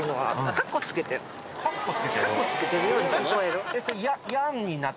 格好つけてるように聞こえる。